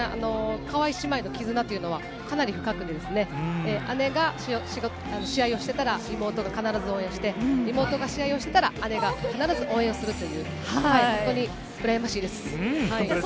川井姉妹の絆というのは、かなり深くてですね、姉が試合をしてたら、妹が必ず応援して、妹が試合をしてたら、姉が必ず応援をするという、本当に羨ましいです。